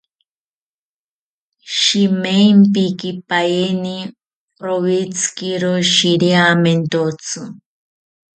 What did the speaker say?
Shimaempikipaeni rowitziro shiriamentotzi